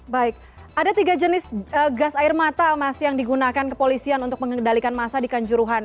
baik ada tiga jenis gas air mata mas yang digunakan kepolisian untuk mengendalikan massa di kanjuruhan